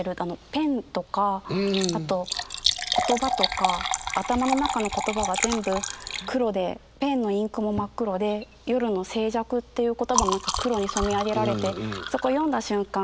「ペン」とか「言葉」とか頭の中の言葉が全部黒でペンのインクも真っ黒で夜の「静寂」っていう言葉も何か黒に染め上げられてそこ読んだ瞬間